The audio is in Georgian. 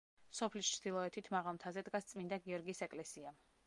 სოფლის ჩრდილოეთით, მაღალ მთაზე, დგას წმინდა გიორგის ეკლესია.